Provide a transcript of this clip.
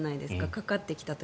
かかってきた時。